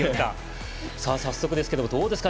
早速ですが、どうですか？